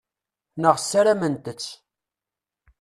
Neɣ ssarament-tt.